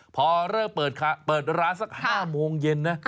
พอเริ่มเปิดร้านสัก๕โมงเย็นนะ